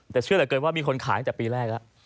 แต่เชื่อใจเกินว่ามีคนขายจากปีแรก